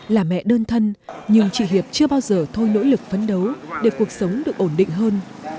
là mẹ đơn thân nhưng chị hiệp chưa bao giờ thôi nỗ lực phấn đấu để cuộc sống được ổn định hơn